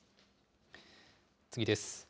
次です。